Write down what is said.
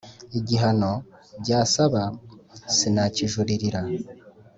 igihano byasaba sinakijurira.